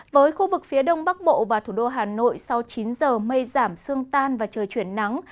với khu vực phía đông bắc bộ và thủ đô hà nội sau chín giờ mây giảm sương tan và trời chuyển nắng